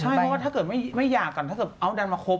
ใช่เพราะถ้าเกิดไม่แยะก่อนถ้าสนับเอาได้มาครบ